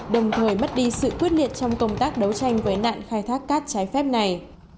đồng thời mất đi sự quyết liệt trong công tác đấu tranh với nạn khai thác cát trái phép này